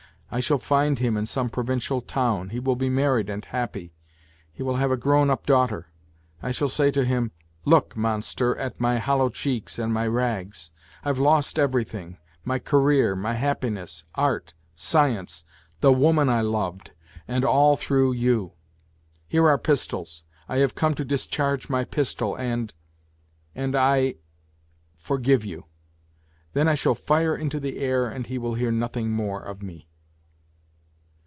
I shall find him in some provincial town. He will be married and happy. He will have a grown up daughter. ... I shall say to him :" Look, monster, at my hollow cheeks and my rags ! I've lost everything my career, my happiness, art, science, the woman I loved, and all through you. Here are pistols. I have come to discharge my pistol and ... and I ... for give you. Then I shall fire into the air and he will hear nothing more of me.